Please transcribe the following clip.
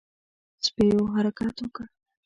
سپيو حرکت وکړ.